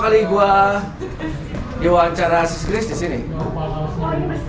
kemudian kompetitif sih